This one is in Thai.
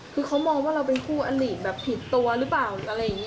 คือเขามองว่าเราเป็นคู่อลิแบบผิดตัวหรือเปล่าอะไรอย่างนี้